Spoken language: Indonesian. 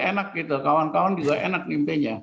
enak gitu kawan kawan juga enak mimpinya